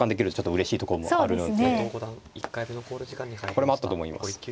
これもあったと思います。